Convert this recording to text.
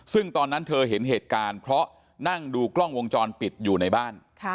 ซึ่งตอนนั้นเธอเห็นเหตุการณ์เพราะนั่งดูกล้องวงจรปิดอยู่ในบ้าน